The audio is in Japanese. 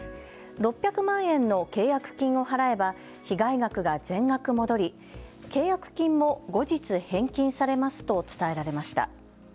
６００万円の契約金を払えば被害額が全額戻り契約金も後日返金されますと伝えられました。